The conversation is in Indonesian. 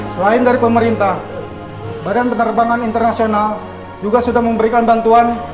selain dari pemerintah badan penerbangan internasional juga sudah memberikan bantuan